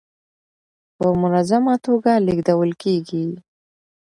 په منظمه ټوګه لېږدول کيږي.